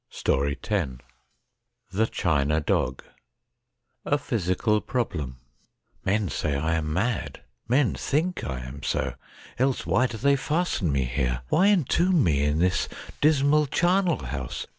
iiQ X THE CHINA DOG A PHYSICAL PROBLEM Men say I am mad — men think I am so, else why do they fasten me here '? why entomb me in this dismal charnel house